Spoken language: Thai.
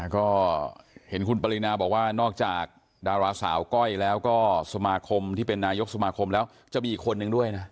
ก็เห็นคุณปรินาบอกว่านอกจากดาราสาวก้อยแล้วก็สมาคมที่เป็นนายกสมาคมแล้วจะมีอีกคนนึงด้วยนะ